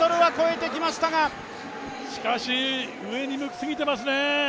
しかし上に向きすぎてますね。